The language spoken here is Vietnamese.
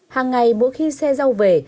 hàng ngày mỗi khi xe rau về